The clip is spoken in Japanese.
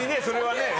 それはね。